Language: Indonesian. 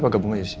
apa gabung aja sih